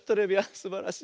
すばらしい。